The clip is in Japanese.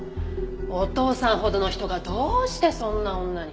お父さんほどの人がどうしてそんな女に。